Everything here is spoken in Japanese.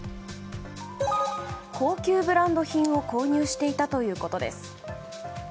高級ブランド品を購入していたということです。